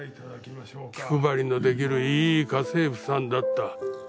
気配りのできるいい家政婦さんだった。